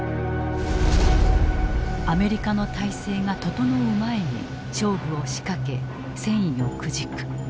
アメリカの体制が整う前に勝負を仕掛け戦意をくじく。